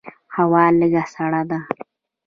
هوا لږه سړه ده.